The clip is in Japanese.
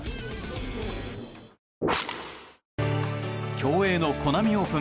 競泳のコナミオープン。